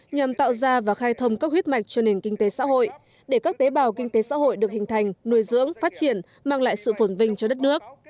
nhằm tạo ra và khai thông các huyết mạch cho nền kinh tế xã hội để các tế bào kinh tế xã hội được hình thành nuôi dưỡng phát triển mang lại sự phổn vinh cho đất nước